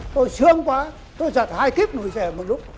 tôi sương quá tôi giặt hai kíp nổi rẻ một lúc